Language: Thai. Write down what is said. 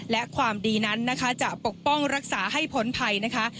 และความดีนั้นนะคะจะปกป้องรักษาให้พ้นภัยนะคะ